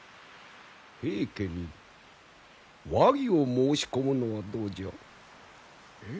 平家に和議を申し込むのはどうじゃ？え？